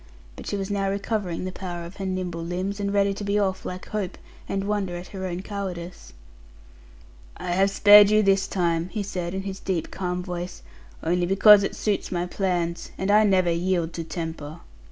But she was now recovering the power of her nimble limbs; and ready to be off like hope, and wonder at her own cowardice. 'I have spared you this time,' he said, in his deep calm voice, 'only because it suits my plans; and I never yield to temper.